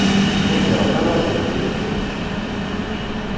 I iṛuḥen, ur teddiḍ!